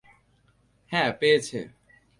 হ্যাঁ, পেয়েছে।